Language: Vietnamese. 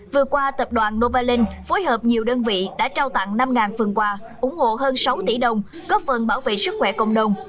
vừa qua tập đoàn novaland phối hợp nhiều đơn vị đã trao tặng năm phần quà ủng hộ hơn sáu tỷ đồng góp phần bảo vệ sức khỏe cộng đồng